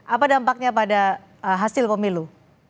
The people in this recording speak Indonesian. apa dampaknya pada hasil pemilu